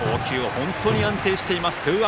本当に安定しています。